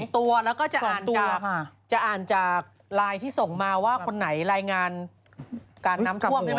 ตอนนี้ก็จะอ่านจากลายที่ส่งมาว่าคนไหนรายงานการน้ำททวมดิมะ